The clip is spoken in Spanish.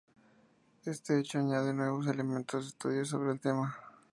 Este hecho añade nuevos elementos de estudio sobre el tema.